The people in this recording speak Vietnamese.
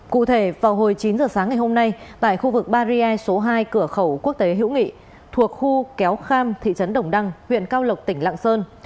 cụ thể vào hồi chín giờ sáng ngày hôm nay tại khu vực barrier số hai cửa khẩu quốc tế hữu nghị thuộc khu kéo kham thị trấn đồng đăng huyện cao lộc tỉnh lạng sơn